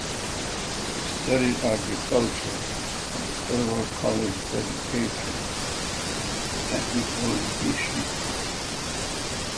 He studied Agriculture at the Federal College of Education (Technical) Bichi.